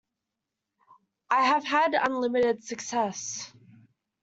I have had unlimited success...